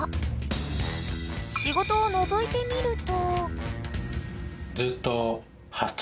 ［仕事をのぞいてみると］